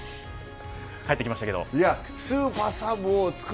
返ってきましたけど。